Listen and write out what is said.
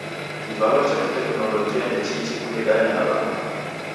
Kivalo cha teknolojia ndechiichi kudedanya na w'andu